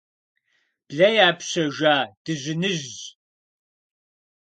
Блэ япщэжа дыжьыныжьщ.